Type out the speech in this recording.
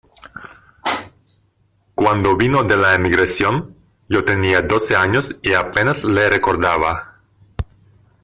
cuando vino de la emigración, yo tenía doce años y apenas le recordaba...